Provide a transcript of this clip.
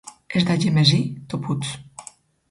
Els d'Algemesí, toputs.